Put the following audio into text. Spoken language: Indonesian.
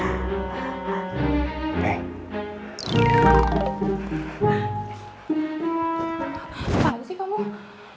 apaan sih kamu